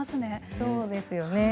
そうですよね。